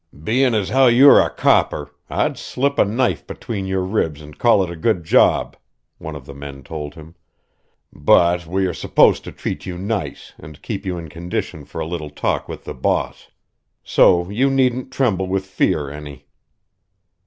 "Bein' as how you are a copper, I'd slip a knife between your ribs and call it a good job," one of the men told him, "but we are supposed to treat you nice and keep you in condition for a little talk with the boss. So you needn't tremble with fear any."